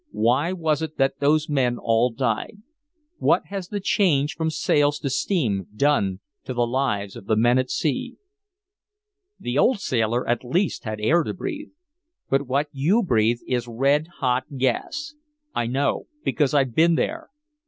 "Why was it that those men all died? What has the change from sails to steam done to the lives of the men at sea? "The old sailor at least had air to breathe. But what you breathe is red hot gas I know because I've been there.